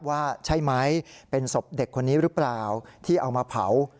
ว่าใช่ไหมเป็นศพเด็กคนนี้หรือเปล่าที่เอามาเผา